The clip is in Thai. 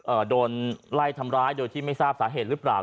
โดนไล่ทำร้ายโดยที่ไม่ทราบสาเหตุหรือเปล่า